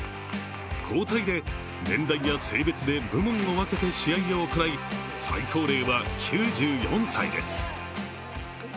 交代で年代や性別で部門を分けて試合を行い最高齢は９４歳です。